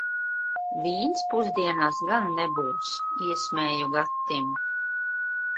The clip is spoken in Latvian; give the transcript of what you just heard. "Vīns pusdienās gan nebūs," iesmēju Gatim.